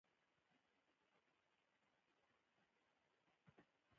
څلور لسیزې کېږي چې دې اعتقاداتو وسله جوړه کړې.